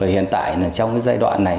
hiện tại trong giai đoạn này